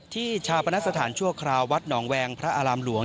ชาปนสถานชั่วคราววัดหนองแวงพระอารามหลวง